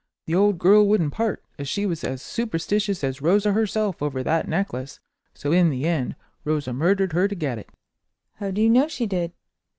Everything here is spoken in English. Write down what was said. The old girl wouldn't part, as she was as superstitious as Rosa herself over that necklace; so in the end Rosa murdered her to get it." "How do you know she did?"